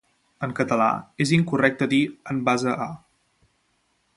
En català, és incorrecte dir "en base a".